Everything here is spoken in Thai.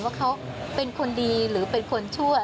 ว่าเขาเป็นคนดีหรือเป็นคนชั่ว